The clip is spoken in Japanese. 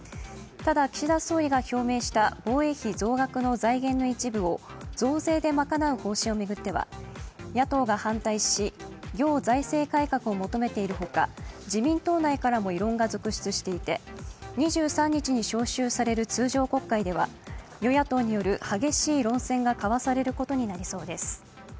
ただ岸田総理が表明した防衛費増額の財源の一部を増税で賄う方針を巡っては野党が反対し行財政改革を求めているほか自民党内からも異論が続出していて、２３日に召集される通常国会では与野党による激しい論戦が交わされることになりそうです。